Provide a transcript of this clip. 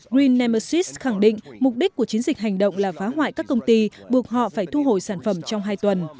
green nmersys khẳng định mục đích của chiến dịch hành động là phá hoại các công ty buộc họ phải thu hồi sản phẩm trong hai tuần